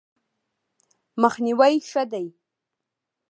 مخنیوی ښه دی.